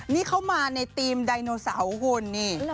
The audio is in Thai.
นี่เข้ามาในธีมไดโนเสาร์คุณนี่